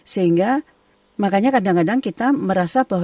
sehingga makanya kadang kadang kita merasa bahwa